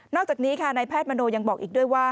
อกจากนี้ค่ะนายแพทย์มโนยังบอกอีกด้วยว่า